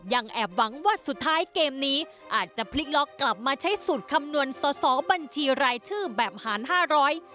แอบหวังว่าสุดท้ายเกมนี้อาจจะพลิกล็อกกลับมาใช้สูตรคำนวณสอสอบัญชีรายชื่อแบบหารห้าร้อย